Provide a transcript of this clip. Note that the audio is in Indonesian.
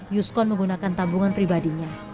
yuskon menggunakan tabungan pribadinya